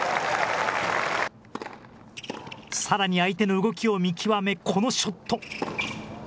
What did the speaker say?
さらに相手の動きを見極めこのショット。